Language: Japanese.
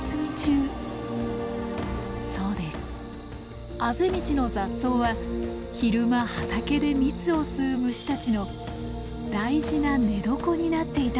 そうですあぜ道の雑草は昼間畑で蜜を吸う虫たちの大事な寝床になっていたのです。